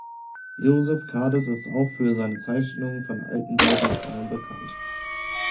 Joseph Cades ist auch für seine Zeichnungen von alten Baudenkmalen bekannt.